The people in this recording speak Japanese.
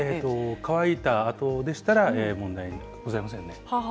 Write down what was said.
乾いたあとでしたら問題ございません。